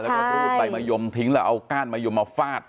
แล้วก็รูดใบมะยมทิ้งแล้วเอาก้านมะยมมาฟาด